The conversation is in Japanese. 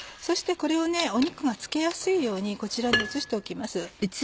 そしてこれを肉がつけやすいようにこちらに移しておきます。